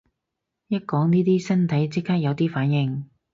一講呢啲身體即刻有啲反應